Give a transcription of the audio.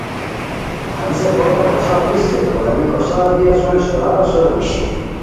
ہنیسے بوتہ کوساؤ بیسی رے تو گانی کوساؤ بی اسور، استوران سورو نیشی